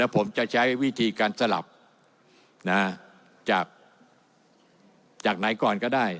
ผมจะใช้วิธีการสลับจากไหนก่อนก็ได้